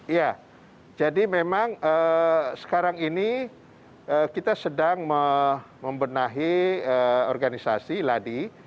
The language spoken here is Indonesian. ya jadi memang sekarang ini kita sedang membenahi organisasi ladi